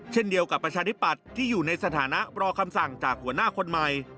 เช่นเดียวกับประชาธิปัตย์ที่อยู่ในสถานะรอคำสั่งจากหัวหน้าคนใหม่